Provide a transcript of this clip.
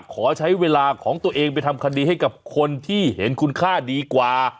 ขอใช้เวลาของตัวเองไปทำคดีให้กับคนที่เห็นคุณค่าดีกว่า